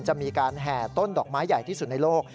จะมีการแห่ต้นดอกไม้ใหญ่ที่สุดในโลก